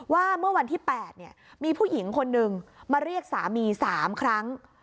ว่าเมื่อวันที่๘มีผู้หญิงคนนึงมาเรียกสามี๓ครั้ง